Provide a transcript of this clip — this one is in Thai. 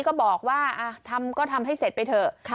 ก็บอกว่าทำก็ทำให้เสร็จไปเถอะ